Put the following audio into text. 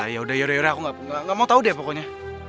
yaudah aku gak mau tau deh pokoknya